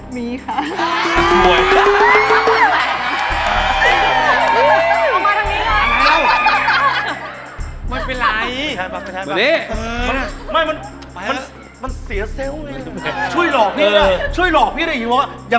มีแฟนยังมีแฟน